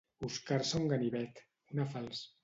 Oscar-se un ganivet, una falç.